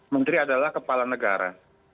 menteri adalah kepala negara